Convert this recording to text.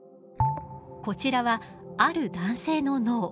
こちらはある男性の脳。